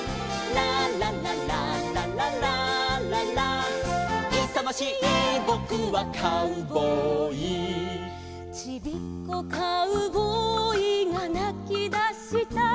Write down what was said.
「ラララララララララ」「いさましいぼくはカウボーイ」「ちびっこカウボーイがなきだした」